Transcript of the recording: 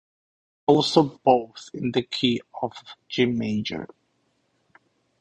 They are also both in the key of G major.